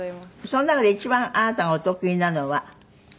その中で一番あなたがお得意なのは？